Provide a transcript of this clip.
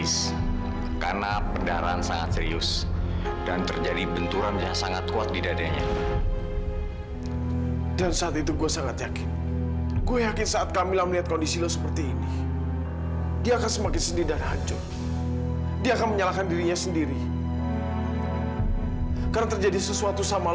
sampai jumpa di video selanjutnya